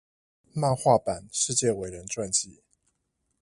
漫畫版世界偉人傳記